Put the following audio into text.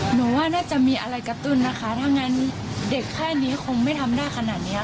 ว่าน่าจะมีอะไรกระตุ้นนะคะถ้างั้นเด็กแค่นี้คงไม่ทำได้ขนาดนี้